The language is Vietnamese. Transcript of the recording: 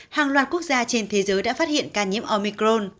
hàng loạt quốc gia trên thế giới đã phát hiện ca nhiễm omicron